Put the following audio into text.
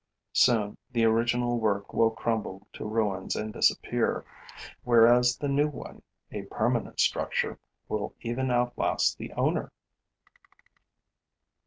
Soon, the original work will crumble to ruins and disappear, whereas the new one, a permanent structure, will even outlast the owner.